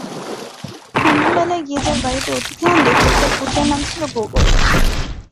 কুম্ভমেলায় গিয়ে যার বাড়িতে অতিথি হন লেখক তার পুত্রের নাম ছিল গোগোল।